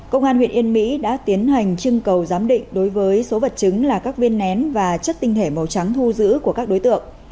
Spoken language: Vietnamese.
công an huyện yên mỹ đã tiến hành trưng cầu giám định đối với số vật chứng là các viên nén và chất tinh thể màu trắng thu giữ của các đối tượng